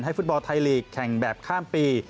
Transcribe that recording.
ฟุตบอลไทยลีกแข่งแบบข้ามปี